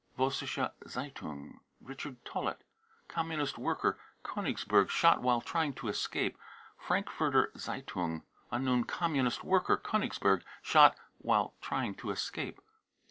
( Vossiscke Zeitung.) richard tolleit, Communist worker, Konigsberg, shot " while trying to escape." (Frankfurter Zeitung.) unknown communist worker, Konigsberg, shot "while trying to escape."